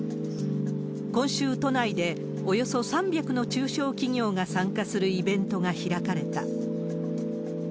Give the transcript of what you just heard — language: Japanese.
今週、都内でおよそ３００の中小企業が参加するイベントが開かれた。